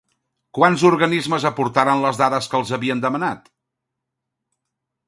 Quants organismes aportaren les dades que els havien demanat?